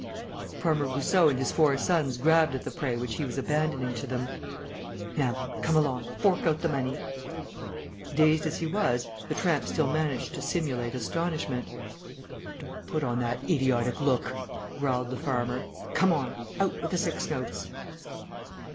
Farmer Goussot and his four sons grabbed at the prey which he was abandoning to them: "Now then, come along, fork out the money." Dazed as he was, the tramp still managed to simulate astonishment. "Don't put on that idiot look," growled the farmer. "Come on. Out with the six notes...."